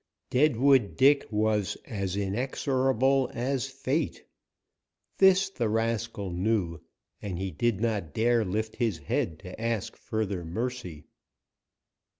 Deadwood Dick was as inexorable as fate. This the rascal knew, and he did not dare lift his head to ask further mercy.